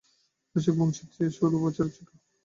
রসিক বংশীর চেয়ে ষোলো বছরের ছোটো।